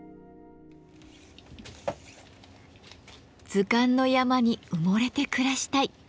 「図鑑の山に埋もれて暮らしたい」